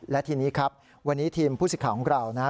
และทีนี้ครับวันนี้ทีมผู้สิทธิ์ของเรานะฮะ